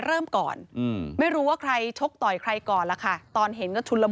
เนี่ยค่ะแล้วก็มีผู้ที่เห็นเหตุการณ์เขาก็เล่าให้ฟังเหมือนกันนะครับ